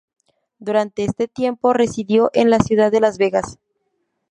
Durante este tiempo residió en la ciudad de Las Vegas.